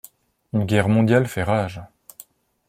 Une guerre mondiale fait rage.